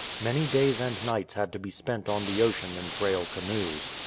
Many days and nights had to be spent on the ocean in frail canoes.